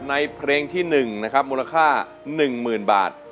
ในเพลงที่หนึ่งนะครับมูลค่าหนึ่งหมื่นบาท